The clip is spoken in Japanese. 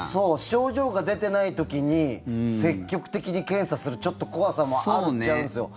症状が出てない時に積極的に検査する怖さもあるっちゃあるんですよ。